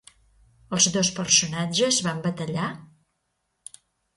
Els dos personatges van batallar?